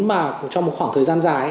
mà trong một khoảng thời gian dài